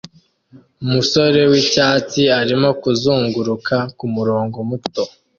Umusore wicyatsi arimo kuzunguruka kumurongo muto